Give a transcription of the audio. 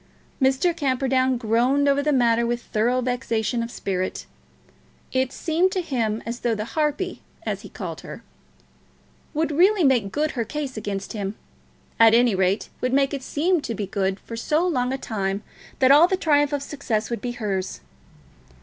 Mr. Camperdown groaned over the matter with thorough vexation of spirit. It seemed to him as though the harpy, as he called her, would really make good her case against him, at any rate, would make it seem to be good for so long a time that all the triumph of success would be hers.